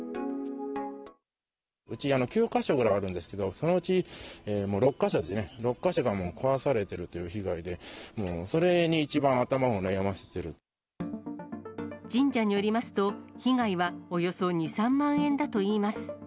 うち、９か所ぐらいあるんですけど、そのうち６か所ですね、６か所がもう壊されているという被害で、それに一番、頭を悩ませ神社によりますと、被害はおよそ２、３万円だといいます。